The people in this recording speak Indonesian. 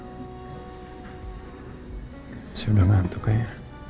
masih udah ngantuk ya